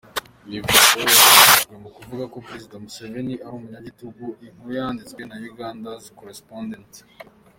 Iyi foto yakoreshejwe mu kuvuga ko Perezida Museveni ari umunyagitugu inkuru yanditswe na ugandacorrespondent.